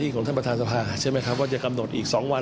๑๘๘ของสศก็ได้